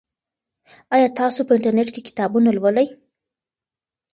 آیا تاسو په انټرنیټ کې کتابونه لولئ؟